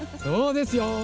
そうですよ。